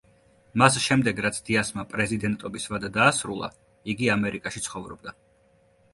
მას შემდეგ, რაც დიასმა პრეზიდენტობის ვადა დაასრულა იგი ამერიკაში ცხოვრობდა.